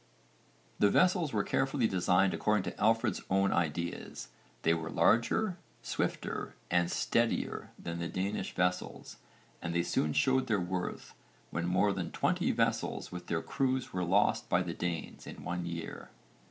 The vessels were carefully designed according to Alfred's own ideas: they were larger, swifter and steadier than the Danish vessels and they soon showed their worth when more than 20 vessels with their crews were lost by the Danes in one year.